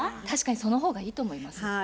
確かにその方がいいと思います。